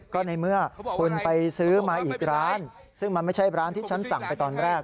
ก็ในเมื่อคุณไปซื้อมาอีกร้านซึ่งมันไม่ใช่ร้านที่ฉันสั่งไปตอนแรก